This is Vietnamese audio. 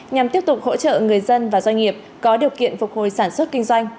nhằm tiếp tục hỗ trợ người dân và doanh nghiệp có điều kiện phục hồi sản xuất kinh doanh